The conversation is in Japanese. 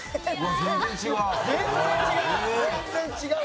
「全然違う」